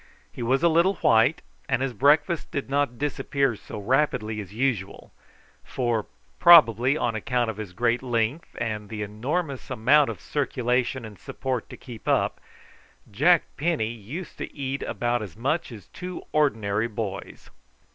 He was a little white, and his breakfast did not disappear so rapidly as usual, for, probably on account of his great length, and the enormous amount of circulation and support to keep up, Jack Penny used to eat about as much as two ordinary boys.